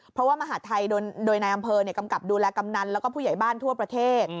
เพราะว่ามหาธัยโดยในอำเภอกลับดูแลกำนั้นและผู้ใหญ่บ้านทั่วประเทศ